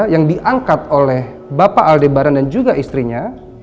yang diangkat oleh bapak aldebaran dan juga istrinya